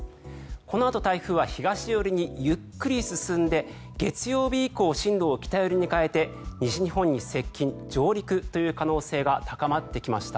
このあと台風は東寄りにゆっくり進んで月曜日以降進路を北寄りに変えて西日本に接近・上陸という可能性が高まってきました。